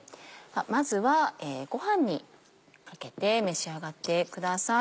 まずはご飯にかけて召し上がってください。